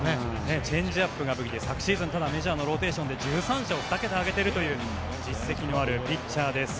チェンジアップが武器で昨シーズンメジャーのローテーションで１３勝、２桁挙げている実績もあるピッチャーです。